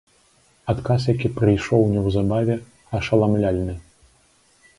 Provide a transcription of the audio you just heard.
Адказ, які прыйшоў неўзабаве, ашаламляльны.